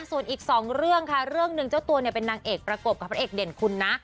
ส่วนอีกสองเรื่องค่ะเรื่องหนึ่งเจ้าตัวเนี่ยเป็นนางเอกประกบกับพระเอกเด่นคุณนะ